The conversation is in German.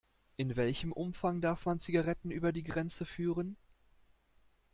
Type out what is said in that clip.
In welchem Umfang darf man Zigaretten über die Grenze führen?